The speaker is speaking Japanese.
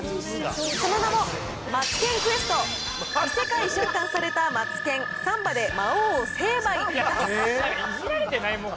その名も、マツケンクエスト異世界召喚されたマツケン、サンバで魔王を成敗致す！